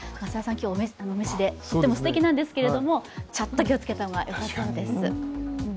今日お召しで、すてきなんですけどちょっと気をつけた方がよさそうですね。